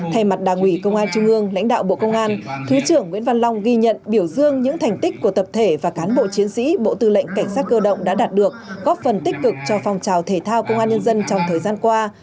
thay mặt đảng ủy công an trung ương lãnh đạo bộ công an thứ trưởng nguyễn văn long ghi nhận biểu dương những thành tích của tập thể và cán bộ chiến sĩ bộ tư lệnh cảnh sát cơ động đã đạt được góp phần tích cực cho phong trào thể thao công an nhân dân trong thời gian qua